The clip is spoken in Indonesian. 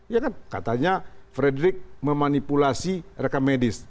ya kan katanya frederick memanipulasi rekam medis